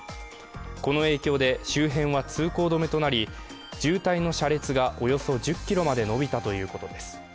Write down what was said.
この影響で周辺は通行止めとなり、渋滞の車列が、およそ１０ｋｍまで延びたということです。